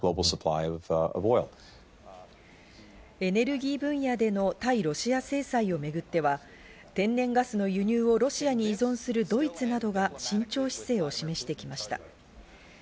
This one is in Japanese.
エネルギー分野での対ロシア制裁をめぐっては、天然ガスの輸入をロシアに依存するドイツなどが慎重姿勢を示してきました。